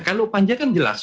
kalau panja kan jelas